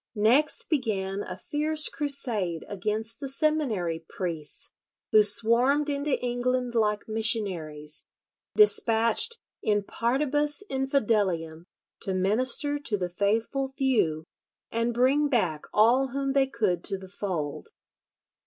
Next began a fierce crusade against the "seminary" priests, who swarmed into England like missionaries, despatched in partibus infidelium to minister to the faithful few and bring back all whom they could to the fold.